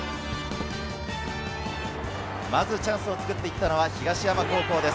まずチャンスを作っていったのは東山高校です。